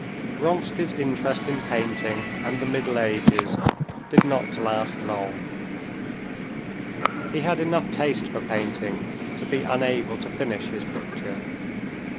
Vronsky's interest in painting and the Middle Ages did not last long. He had enough taste for painting to be unable to finish his picture.